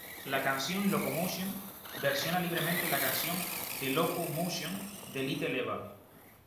La canción "Locomotion" versiona libremente la canción "The Loco-Motion" de Little Eva.